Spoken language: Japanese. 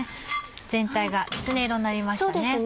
全体がきつね色になりましたね。